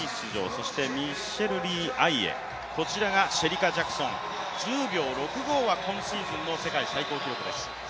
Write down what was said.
そしてミッシェル・リー・アイエ、シェリカ・ジャクソンは１０秒６５は今シーズンの世界最高記録です。